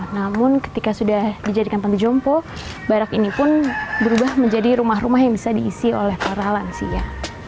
namun ketika sudah dijadikan panti jompo barak ini pun berubah menjadi rumah rumah yang bisa diisi oleh para lansia